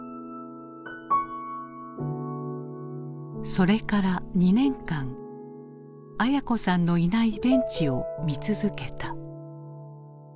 それから２年間文子さんのいないベンチを見続けた。